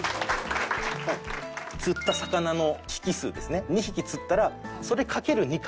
釣った魚の匹数ですね２匹釣ったらそれ掛ける２貫。